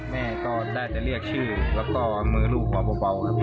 แม่ก็แทบจะเรียกชื่อแล้วก็มือลูกเบาครับ